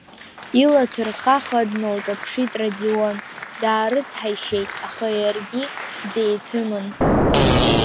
Ила ҭырхаха дналҿаԥшит Радион, даарыцҳаишьеит, аха иаргьы деиҭымын.